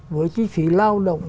với chi phí lao động